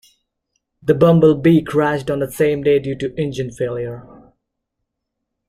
The Bumble Bee crashed on the same day due to engine failure.